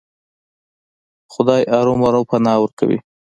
خدای ارومرو پناه ورکوي.